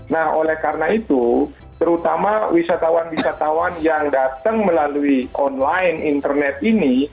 nah oleh karena itu terutama wisatawan wisatawan yang datang melalui online internet ini